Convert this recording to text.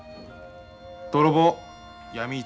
泥棒闇市。